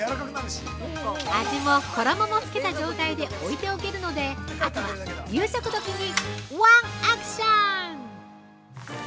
◆味も衣もつけた状態で置いておけるのであとは、夕食どきにワンアクション！